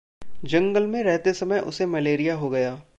जंगल में रहते समय उसे मलेरिया हो गया।